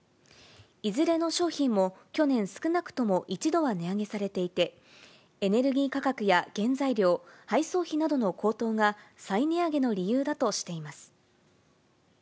いずれの商品も去年、少なくとも一度は値上げされていて、エネルギー価格や原材料、配送費などの高騰が再値上げの理由だとしています。